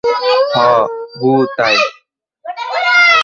হু, তাই।